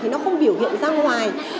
thì nó không biểu hiện ra ngoài